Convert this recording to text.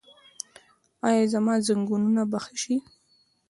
ایا زما زنګونونه به ښه شي؟